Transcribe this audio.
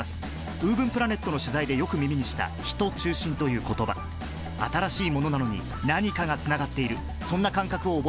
ウーブンプラネットの取材でよく耳にした「ヒト中心」という言葉新しいものなのに何かがつながっているそんな感覚を覚えました